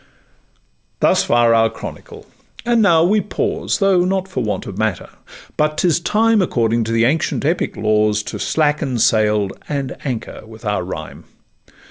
Thus far our chronicle; and now we pause, Though not for want of matter; but 'tis time According to the ancient epic laws, To slacken sail, and anchor with our rhyme.